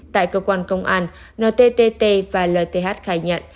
tại cơ quan công an ntt và lth khai nhận